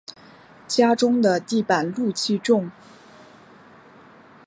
家中的地板露气重